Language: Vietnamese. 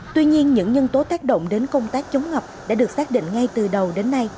tuy nhiên những nhân tố tác động đến công tác chống ngập đã được xác định ngay từ đầu đến nay